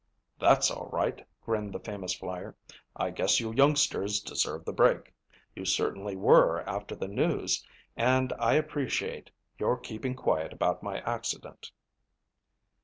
"That's all right," grinned the famous flyer. "I guess you youngsters deserve the break. You certainly were after the news and I appreciate you're keeping quiet about my accident."